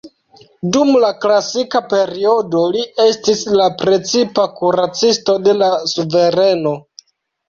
Dum la klasika periodo li estis la precipa kuracisto de la suvereno.